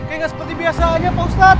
kayaknya seperti biasanya pak ustadz